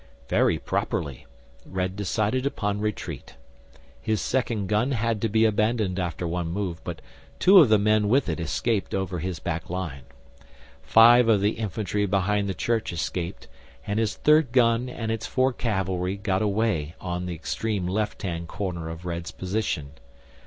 Very properly Red decided upon retreat. His second gun had to be abandoned after one move, but two of the men with it escaped over his back line. Five of the infantry behind the church escaped, and his third gun and its four cavalry got away on the extreme left hand corner of Red's position.